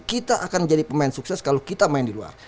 kita akan jadi pemain sukses kalau kita main di luar